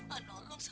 mem deswegen aku ya